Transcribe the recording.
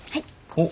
おっ。